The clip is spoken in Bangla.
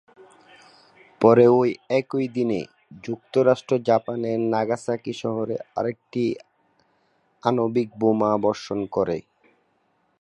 পরে ঐ একই দিনে, যুক্তরাষ্ট্র জাপানের নাগাসাকি শহরে আরেকটি আণবিক বোমা বর্ষণ করে।